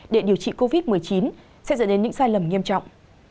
để điều trị covid một mươi chín sẽ dẫn đến những sai lầm nghiêm trọng